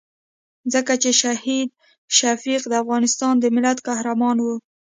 ځکه چې شهید شفیق د افغانستان د ملت قهرمان وو.